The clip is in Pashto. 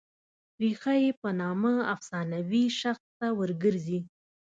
ریښه یې په نامه افسانوي شخص ته ور ګرځي.